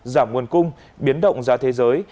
giảm nguồn cung biến động ra thế giới